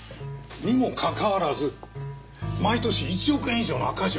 にもかかわらず毎年１億円以上の赤字を出してるんです。